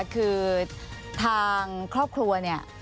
คือทางครอบครัวเนี่ย